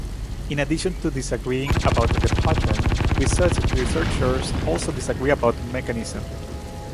In addition to disagreeing about the pattern, researchers also disagree about mechanism.